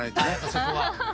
そこは。